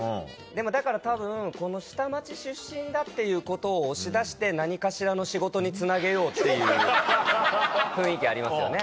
だからたぶんこの下町出身だっていうことを押し出して何かしらの仕事につなげようっていう雰囲気ありますよね。